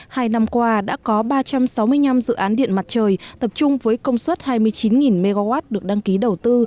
hai năm qua đã có ba trăm sáu mươi năm dự án điện mặt trời tập trung với công suất hai mươi chín mw được đăng ký đầu tư